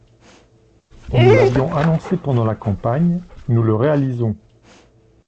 Nous l’avions annoncé pendant la campagne, nous le réalisons.